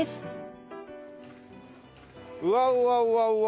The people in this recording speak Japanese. うわうわうわうわ